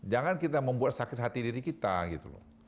jangan kita membuat sakit hati diri kita gitu loh